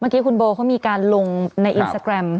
ที่คุณโบเขามีการลงในอินสตาแกรม